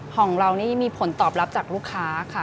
ของเรานี่มีผลตอบรับจากลูกค้าค่ะ